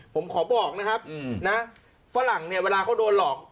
ผมขอบอกนะครับนะฝรั่งเนี่ยเวลาเขาโดนหลอก